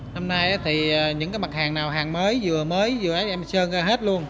năm nay thì những mặt hàng nào hàng mới vừa mới vừa ấy em sơn ra hết luôn